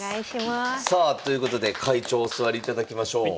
さあということで会長お座りいただきましょう。